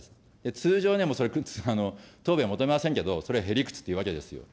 通常、でも答弁、求めませんけど、それ、へ理屈っていうわけですよ。